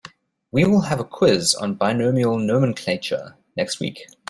We will have a quiz on binomial nomenclature next week.